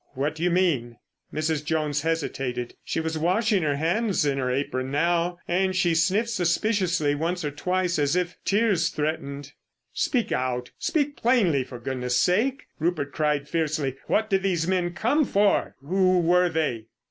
"What do you mean?" Mrs. Jones hesitated. She was washing her hands in her apron now, and she sniffed suspiciously once or twice as if tears threatened. "Speak out—speak plainly, for goodness' sake!" Rupert cried fiercely. "What did these men come for? Who were they?"